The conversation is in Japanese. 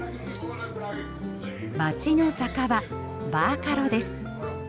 街の酒場バーカロです。